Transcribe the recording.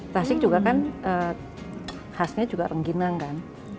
tasik juga kan khasnya juga rengginang kan